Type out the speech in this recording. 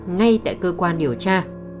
ngay tại cơ quan điều tra